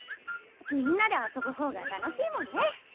みんなで遊ぶ方が楽しいもんね。